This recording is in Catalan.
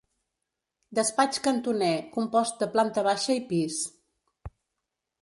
Despatx cantoner, compost de planta baixa i pis.